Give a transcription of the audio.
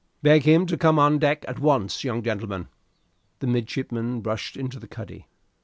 Beg him to come on deck at once, young gentleman." The midshipman rushed into the cuddy.